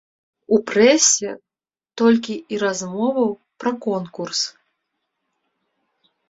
У прэсе толькі і размоваў пра конкурс.